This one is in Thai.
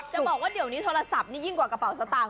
จะบอกว่าเดี๋ยวนี้โทรศัพท์นี่ยิ่งกว่ากระเป๋าสตางค